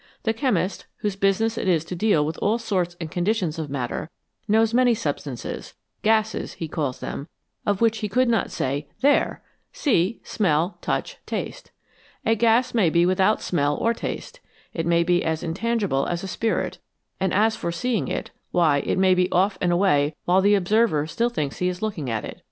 The chemist, whose business it is to deal with all sorts and conditions of matter, knows many sub stances " gases," he calls them of which he could not say " There ! See, smell, touch, taste." A gas may be without smell or taste, it may be as intangible as a spirit, and as for seeing it, why, it may be off and away while the observer still thinks he is looking at it.